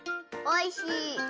おいしい？